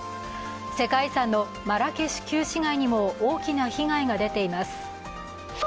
世界遺産のマラケシュ旧市街にも大きな被害が出ています。